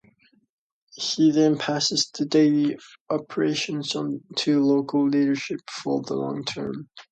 He then passes the daily operations on to local leadership for the long term.